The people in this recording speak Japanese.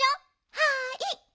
はい！